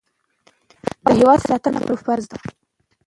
د هېواد ساتنه په ټولو فرض ده.